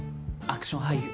アクション俳優。